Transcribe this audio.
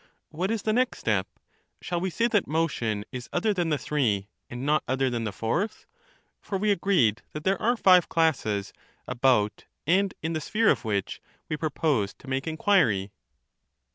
What is the next step ? Shall we say that motion is other than the three and not other than the fourth, — for we agreed that there are five classes about and in the sphere of which we proposed to make enquiry